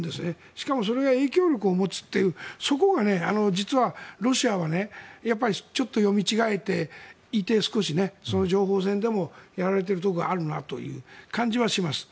しかもそれが影響力を持つというそこが実はロシアはちょっと読み違えていてその情報戦でもやられているところがあるなという感じはします。